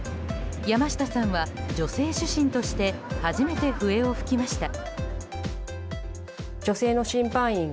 山下さんは女性主審として初めて笛を吹きました。